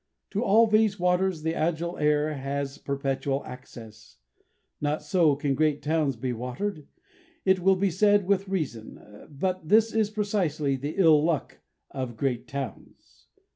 To all these waters the agile air has perpetual access. Not so can great towns be watered, it will be said with reason; and this is precisely the ill luck of great towns.